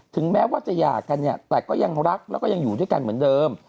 แม้ว่าจะหย่ากันเนี่ยแต่ก็ยังรักแล้วก็ยังอยู่ด้วยกันเหมือนเดิม